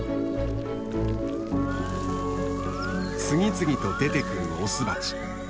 次々と出てくるオスバチ。